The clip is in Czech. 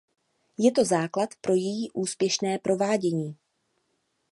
Je to základ pro její úspěšné provádění.